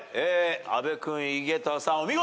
阿部君井桁さんお見事！